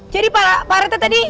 jadi parete tadi